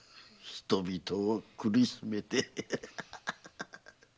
人々を苦しめて。